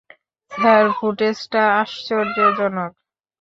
Sir, ফুটেজটা আশ্চর্যজনক।